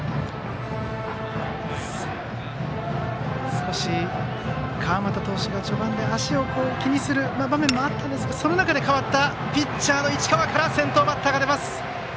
少し、川又投手が序盤で足を気にする場面もあったんですがその中で、代わったピッチャー市川から、先頭バッターが出ます。